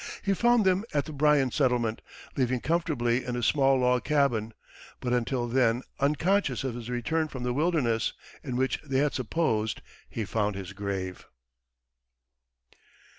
He found them at the Bryan settlement, living comfortably in a small log cabin, but until then unconscious of his return from the wilderness in which they had supposed he found his grave.